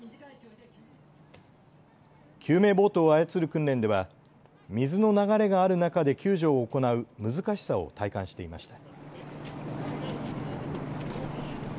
救命ボートを操る訓練では水の流れがある中で救助を行う難しさを体感していました。